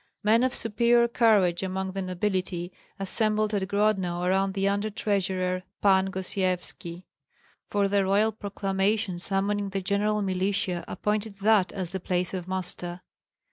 Men of superior courage among the nobility assembled at Grodno around the under treasurer, Pan Gosyevski; for the royal proclamation summoning the general militia appointed that as the place of muster.